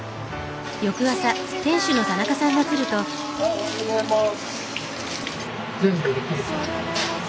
おはようございます。